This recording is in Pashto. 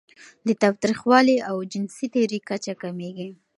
د تاوتریخوالي او جنسي تیري کچه کمېږي.